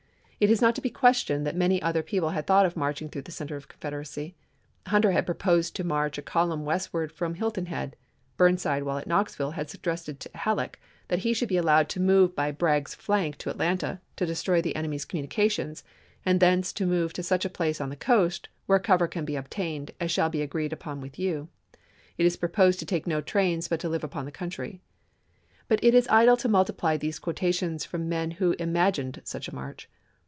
It is not to be questioned that many other people had thought of marching through the center of the Confederacy. Hunter had proposed to march a column westward from Hilton Head; Burnside, while at Knoxville, had suggested to Halleck that wek ? he should be allowed to move by Bragg's flank to Atlanta, "destroy the enemy's communications, ... and thence move to such a place on the coast, where cover can be obtained, as shall be agreed upon with you. It is proposed to take no trains, but live upon the country. ..? But it is idle to multiply these quotations from the men who im agined such a march.